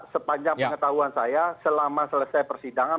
sepanjang pengetahuan saya selama selesai persidangan